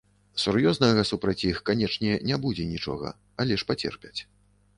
Сур'ёзнага супраць іх, канечне, не будзе нічога, але ж пацерпяць.